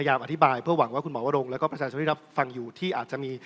เอาแบบว่าคุณหมออาจจะไม่สบายใจกับาทีเก้าไกล